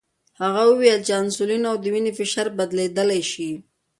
هغه وویل چې انسولین او وینې فشار بدلیدلی شي.